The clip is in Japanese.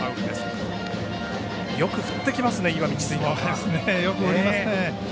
よく振ってきますね